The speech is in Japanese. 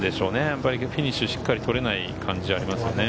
やっぱりフィニッシュをしっかり取れない感じがありますね。